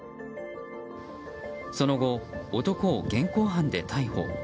その後、男を現行犯で逮捕。